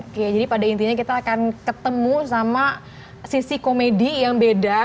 oke jadi pada intinya kita akan ketemu sama sisi komedi yang beda